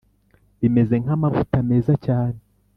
Bimeze nk amavuta meza cyane